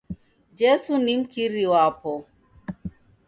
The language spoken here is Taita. Jesu ni mkiri wapo.